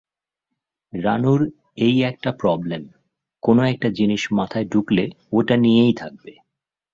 রানুর এই একটা প্রবলেম-কোনো-একটা জিনিস মাথায় ঢুকলে ওটা নিয়েই থাকবে।